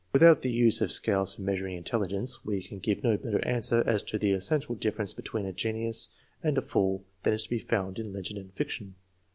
Without the use of scales for measuring intelligence we can give no better answer as to the essential difference between a genius and a fool than is to be found in legend and fiction.